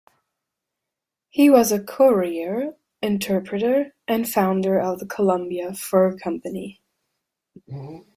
He was a courier, interpreter, and founder of the Columbia Fur Company.